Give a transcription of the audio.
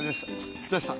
着きました。